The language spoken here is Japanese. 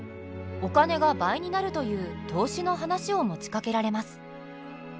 お金が倍になるという投資の話を持ちかけられます。